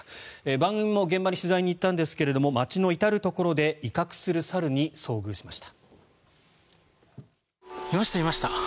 番組も現場に取材に行ったんですが街の至るところで威嚇する猿に遭遇しました。